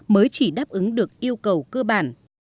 mới chỉ đáp ứng được yêu cầu cơ bản